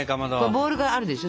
ボウルがあるでしょ？